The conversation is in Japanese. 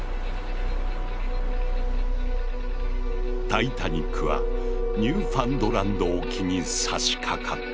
タイタニックはニューファンドランド沖にさしかかった。